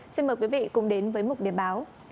xin mời quý vị cùng đến với mục điểm báo